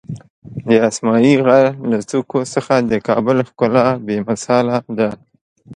د اسمایي غر له څوکو څخه د کابل ښکلا بېمثاله ده.